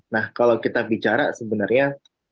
nah kalau kita bicara sebenarnya